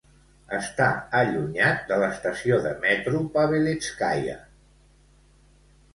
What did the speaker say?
Està allunyat de l'estació de metro Pavelétskaia.